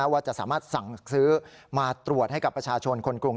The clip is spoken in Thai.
ว่าจะสามารถสั่งซื้อมาตรวจให้กับประชาชนคนกรุง